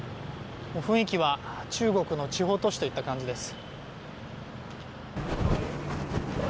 雰囲気は中国の地方都市といった感じです。